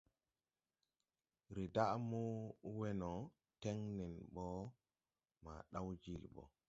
Rɛɛ daʼ mo wɛ no, tɛn nɛn bɔ ma daw jiili bɔ.